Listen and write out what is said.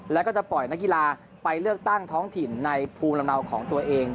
แล้วก็จะปล่อยนักกีฬาไปเลือกตั้งท้องถิ่นในภูมิลำเนาของตัวเอง